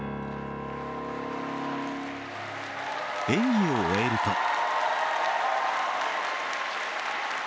演技を終えると。